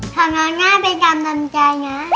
ของน้องหน้าเป็นการดำใจนะ